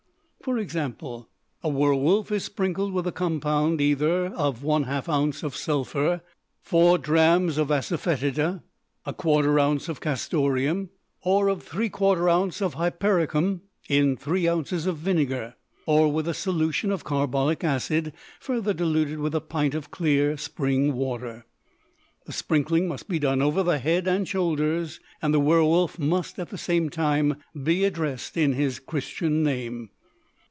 For example, a werwolf is sprinkled with a compound either of 1/2 ounce of sulphur, 4 drachms of asafœtida, 1/4 ounce of castoreum; or of 3/4 ounce of hypericum in 3 ounces of vinegar; or with a solution of carbolic acid further diluted with a pint of clear spring water. The sprinkling must be done over the head and shoulders, and the werwolf must at the same time be addressed in his Christian name.